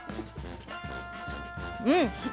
うん。